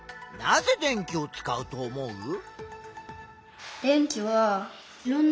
なぜ電気を使うと思う？